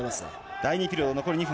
第２ピリオド残り２分。